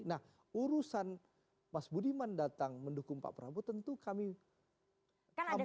nah urusan mas budiman datang mendukung pak prabowo tentu kami sambut dengan tangan terbuka